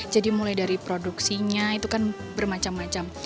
jadi mulai dari produksinya itu kan bermacam macam